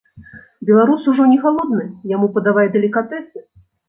Беларус ужо не галодны, яму падавай далікатэсы!